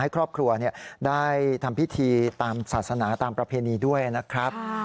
ครอบครัวได้ทำพิธีตามศาสนาตามประเพณีด้วยนะครับ